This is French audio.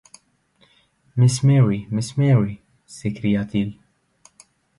Miss Mary! miss Mary ! s’écria-t-il.